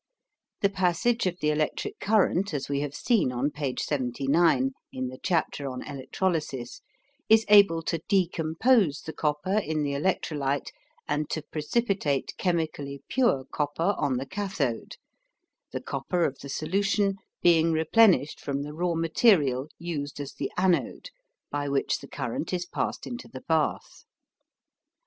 The passage of the electric current, as we have seen on page 79, in the chapter on Electrolysis, is able to decompose the copper in the electrolyte and to precipitate chemically pure copper on the cathode, the copper of the solution being replenished from the raw material used as the anode by which the current is passed into the bath.